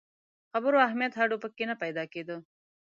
خبري اهمیت هډو په کې نه پیدا کېده.